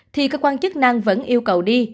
thì cơ quan chức năng vẫn yêu cầu đi